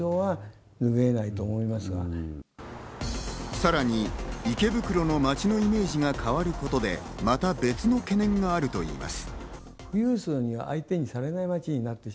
さらに池袋の街のイメージが変わることでまた、別の懸念があるといいます。